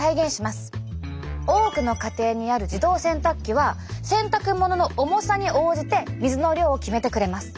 多くの家庭にある自動洗濯機は洗濯物の重さに応じて水の量を決めてくれます。